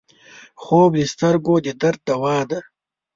خوب د سترګو د درد دوا ده